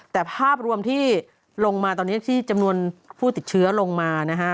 แต่ภาพรวมที่ลงมาตอนนี้ที่จำนวนผู้ติดเชื้อลงมานะฮะ